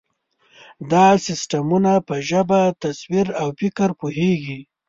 دا سیسټمونه په ژبه، تصویر، او فکر پوهېږي.